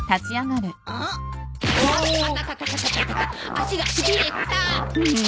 足がしびれた！